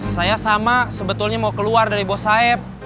saya sama sebetulnya mau keluar dari bos saib